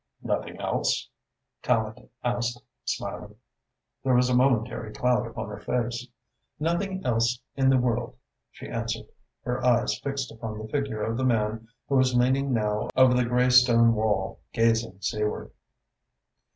"Nothing else?" Tallente asked, smiling. There was a momentary cloud upon her face. "Nothing else in the world," she answered, her eyes fixed upon the figure of the man who was leaning now over the grey stone wall, gazing seaward.